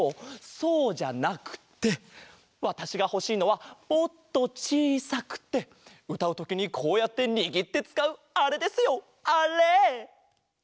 そうじゃなくってわたしがほしいのはもっとちいさくてうたうときにこうやってにぎってつかうあれですよあれ！